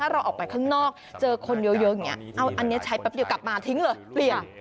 เราออกไปข้างนอกเจอคนเยอะอย่างนี้เอาอันนี้ใช้แป๊บเดียวกลับมาทิ้งเลยเปลี่ยน